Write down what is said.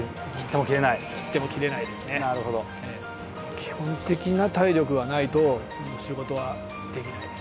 基本的な体力がないと仕事はできないです。